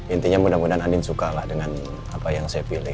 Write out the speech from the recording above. intinya mudah mudahan andin suka lah dengan apa yang saya pilih